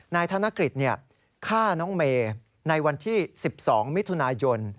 ธนกฤษฆ่าน้องเมย์ในวันที่๑๒มิถุนายน